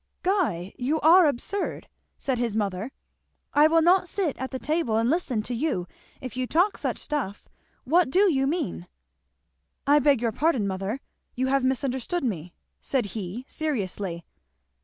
"Guy you are absurd!" said his mother. "I will not sit at the table and listen to you if you talk such stuff. What do you mean?" "I beg your pardon, mother, you have misunderstood me," said he seriously.